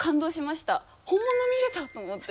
本物見れた！と思って。